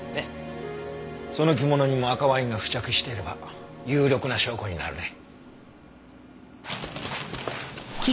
その着物にも赤ワインが付着していれば有力な証拠になるね。